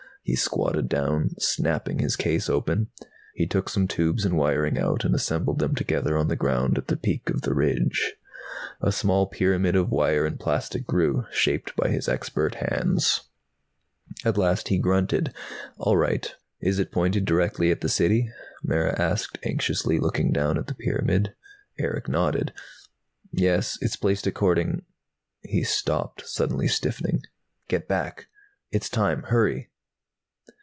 He squatted down, snapping his case open. He took some tubes and wiring out and assembled them together on the ground, at the peak of the ridge. A small pyramid of wire and plastic grew, shaped by his expert hands. At last he grunted, standing up. "All right." "Is it pointed directly at the City?" Mara asked anxiously, looking down at the pyramid. Erick nodded. "Yes, it's placed according " He stopped, suddenly stiffening. "Get back! It's time! _Hurry!